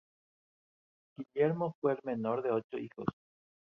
Guillermo fue el menor de ocho hijos.